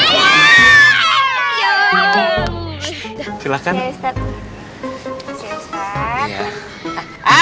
silakan ustadz memin hover stone mutta bugi makasih